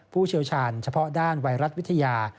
ผู้เชี่ยวชาญเฉพาะด้านไวรัสวิทยา